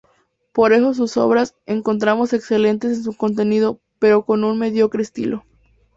Por eso sus obras encontramos excelentes en su contenido, pero con un mediocre estilo".